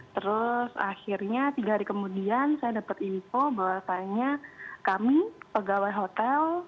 terus akhirnya tiga hari kemudian saya dapat info bahwasannya kami pegawai hotel